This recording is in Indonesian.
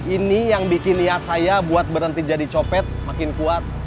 ini yang bikin niat saya buat berhenti jadi copet makin kuat